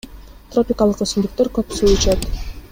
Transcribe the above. Тропикалык өсүмдүктөр көп суу ичет.